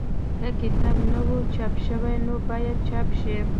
که کتاب نه وي چاپ شوی نو باید چاپ شي.